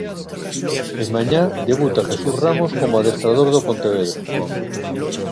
E mañá debuta Jesús Ramos como adestrador do Pontevedra.